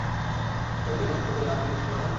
তবে তুই পছন্দ করলে আমিও রাজী।